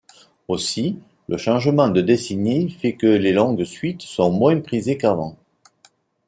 Aussi le changement de décennie fait que les longues suites sont moins prisées qu'avant.